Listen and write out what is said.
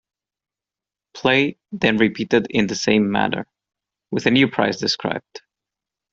Play then repeated in the same manner, with a new prize described.